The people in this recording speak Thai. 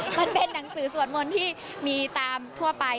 มันเป็นหนังสือสวดมนต์ที่มีตามทั่วไป